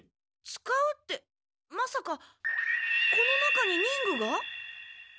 使うってまさかこの中に忍具が？